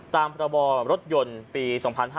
ตามประบอบรถยนต์ปี๒๕๕๙